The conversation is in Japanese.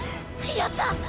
やったっ！